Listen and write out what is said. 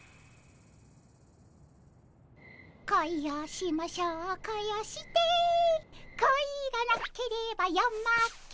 「恋をしましょう恋をして」「恋がなければ夜も明けぬ」